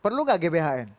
perlu gak gbhn